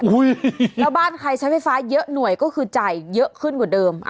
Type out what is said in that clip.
แล้วบ้านใครใช้ไฟฟ้าเยอะหน่วยก็คือจ่ายเยอะขึ้นกว่าเดิม